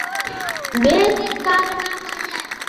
வேறு காரணம் அல்ல.